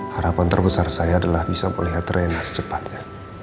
harapan terbesar saya adalah bisa melihat tren secepatnya